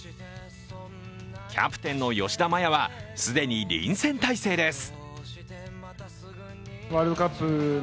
キャプテンの吉田麻也は既に臨戦態勢です。